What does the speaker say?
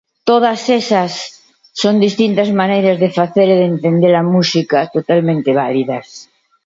Todas esas son distintas maneiras de facer e de entender a música totalmente válidas.